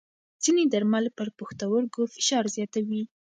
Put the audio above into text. ځینې درمل پر پښتورګو فشار زیاتوي.